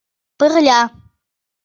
Пырля!